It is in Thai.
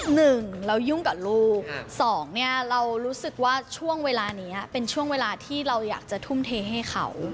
หนึ่งเรายุ่งกับลูกสองเนี่ยเรารู้สึกว่าช่วงเวลานี้เป็นช่วงเวลาที่เราอยากจะทุ่มเทให้เขา